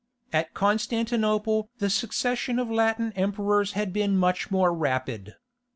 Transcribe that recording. At Constantinople the succession of Latin emperors had been much more rapid.